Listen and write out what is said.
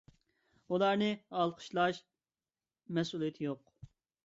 ئۇلارنى ئالقىشلاش مەسئۇلىيىتى يوق.